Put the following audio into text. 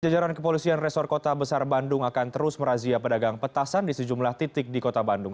jajaran kepolisian resor kota besar bandung akan terus merazia pedagang petasan di sejumlah titik di kota bandung